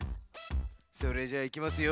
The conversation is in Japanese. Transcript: それじゃいきますよ。